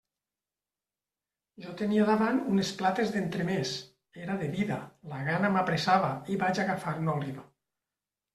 Jo tenia davant unes plates d'entremès, era de vida, la gana m'apressava, i vaig agafar una oliva.